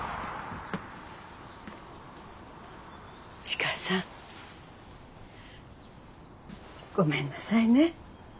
千佳さんごめんなさいね。